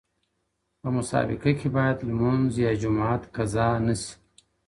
په مسابقه کي بايد لمونځ يا جماعت قضا نه سي.